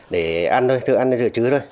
để ăn thôi thử ăn là giữ chữ thôi